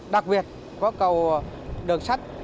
đặc biệt có cầu đường sắt